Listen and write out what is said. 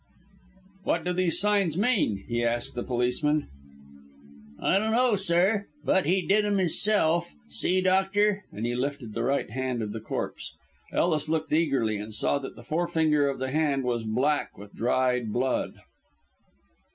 "What do these signs mean?" he asked the policeman. "I dunno, sir; but he did 'em hisself. See, doctor," and he lifted the right hand of the corpse. Ellis looked eagerly and saw that the forefinger of the hand was black with dried blood.